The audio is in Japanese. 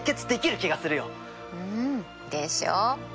うんでしょう？